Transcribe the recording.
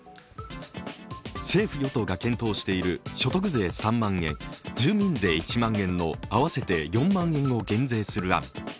政府・与党が検討している所得税３万円、住民税１万円の合わせて４万円を減税する案。